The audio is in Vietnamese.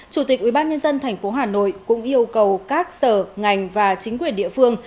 chủ tịch ubnd tp hà nội cũng yêu cầu các sở ngành và chính quyền địa phương